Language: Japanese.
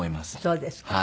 そうですか。